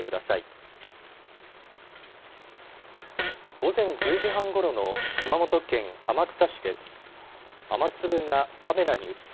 午前１０時半ごろの熊本県天草市です。